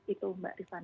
itu mbak rifat